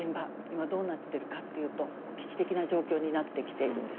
今どうなっているかっていうと危機的な状況になってきているんですね。